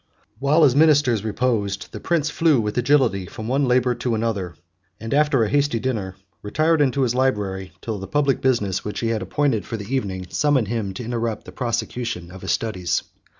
While his ministers reposed, the prince flew with agility from one labor to another, and, after a hasty dinner, retired into his library, till the public business, which he had appointed for the evening, summoned him to interrupt the prosecution of his studies.